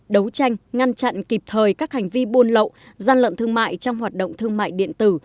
đấu tranh ngăn chặn kịp thời các hành vi buôn lậu gian lận thương mại trong hoạt động thương mại điện tử